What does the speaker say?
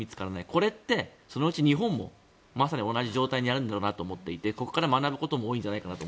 これってそのうち日本もまさに同じ状態にあるんだろうなと思っていてここから学ぶことも多いんじゃないかなと。